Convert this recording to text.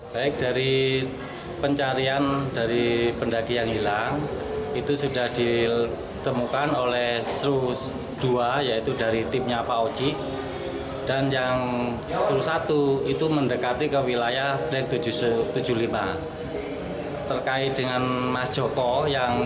baik dari pencarian dari pendaki yang hilang